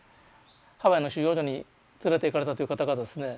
ハワイの収容所に連れていかれたという方がですね